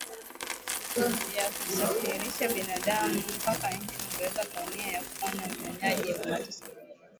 ya kusafirisha binadamu mpaka nchini uingereza kwa nia ya kufanya unyonyaji na mateso mengine